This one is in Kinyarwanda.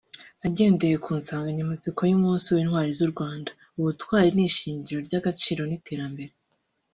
Agendeye ku nsanganyamatsiko y’umunsi w’Intwari z’u Rwanda “Ubutwari ni ishingiro ry’agaciro n’iterambere”